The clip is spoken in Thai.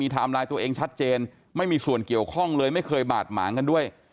ไลน์ตัวเองชัดเจนไม่มีส่วนเกี่ยวข้องเลยไม่เคยบาดหมางกันด้วย